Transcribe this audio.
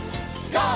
ＧＯ！